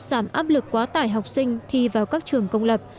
giảm áp lực quá tải học sinh thi vào các trường công lập